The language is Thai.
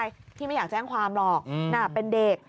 พี่ไม่อยากแจ้งความหรอกน่ะเป็นเด็ก